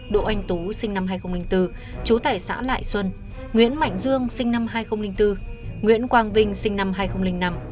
đỗ anh tú sinh năm hai nghìn bốn trú tại xã lại xuân nguyễn mạnh dương sinh năm hai nghìn bốn nguyễn quang vinh sinh năm hai nghìn năm